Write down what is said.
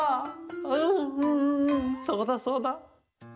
うんうんうんそうだそうだ。